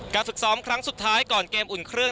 ฝึกซ้อมครั้งสุดท้ายก่อนเกมอุ่นเครื่อง